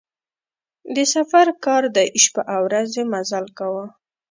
د سفر کار دی شپه او ورځ یې مزل کاوه.